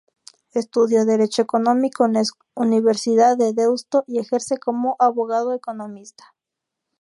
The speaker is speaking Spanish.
Estudió Derecho económico en la Universidad de Deusto y ejerce como abogado economista.